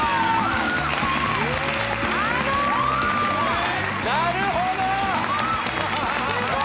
なるほど！